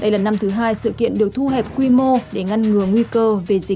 đây là năm thứ hai sự kiện được thu hẹp quy mô để ngăn ngừa nguy cơ về dịch covid một mươi chín